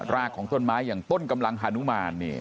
รากของต้นไม้อย่างต้นกำลังฮานุมาน